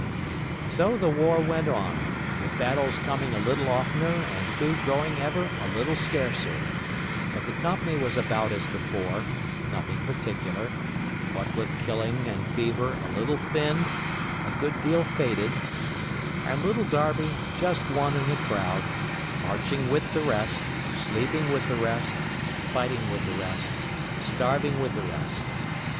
So the war went on, with battles coming a little oftener and food growing ever a little scarcer; but the company was about as before, nothing particular—what with killing and fever a little thinned, a good deal faded; and Little Darby just one in a crowd, marching with the rest, sleeping with the rest, fighting with the rest, starving with the rest.